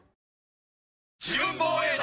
自分防衛団！